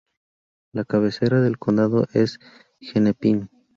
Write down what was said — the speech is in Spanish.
La cabecera del condado es Hennepin.